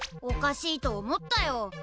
おかしいと思ったよ。